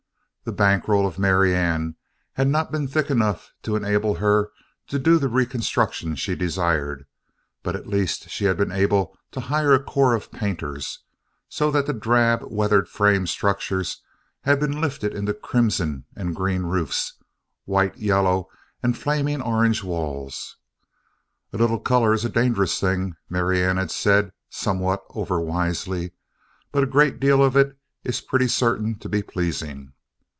The bank roll of Marianne had not been thick enough to enable her to do the reconstruction she desired, but at least she had been able to hire a corps of painters, so that the drab, weathered frame structures had been lifted into crimson and green roofs, white yellow, and flaming orange walls. "A little color is a dangerous thing," Marianne had said, somewhat overwisely, "but a great deal of it is pretty certain to be pleasing."